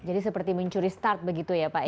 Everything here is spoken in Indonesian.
jadi seperti mencuri start begitu ya pak ya